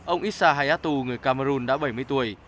ông issa hayatu người cameroon đã bảy mươi tuổi